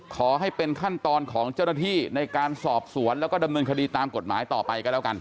ขอให้เป็นขั้นตอนของเจ้าหน้าที่ในการสอบสวนแล้วก็ดำเนินคดีตามกฎหมายต่อไปก็แล้วกัน